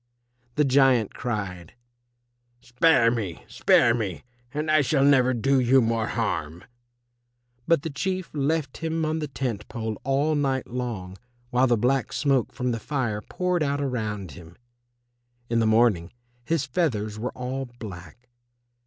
The giant cried, "Spare me, spare me, and I shall never do you more harm." But the Chief left him on the tent pole all night long while the black smoke from the fire poured out around him. In the morning his feathers were all black.